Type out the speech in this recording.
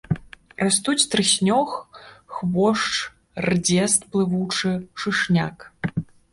Растуць трыснёг, хвошч, рдзест плывучы, шышняк.